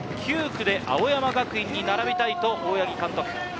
９区で青山学院に並びたいと大八木監督。